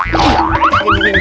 pake di minggali tadi